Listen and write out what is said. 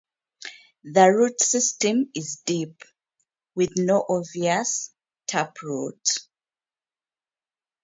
The root system is deep, with no obvious taproot.